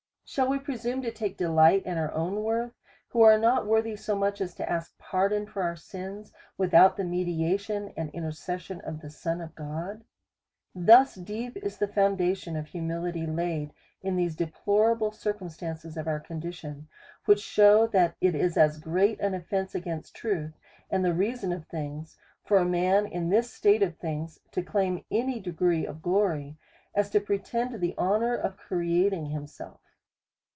Shall we pre sume to take delight in our own worth, who are not worthy so much as to ask pardon for our sins, without the mediation and intercession of the Son of God? Thus deep is the foundation of humility laid, in these deplorable circumstances of our condition ; which shew, that it is as great an offence against truth, and the reason of things, for a man in this state of things to lay claim to any degrees of glory, as to pre tend to the honour of creating himself.